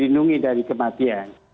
dilindungi dari kematian